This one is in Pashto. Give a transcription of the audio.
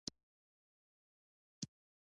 ایا زه باید شپږ ساعته ویده شم؟